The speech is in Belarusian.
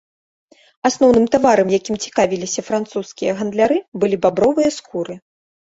Асноўным таварам, якім цікавіліся французскія гандляры, былі бабровыя скуры.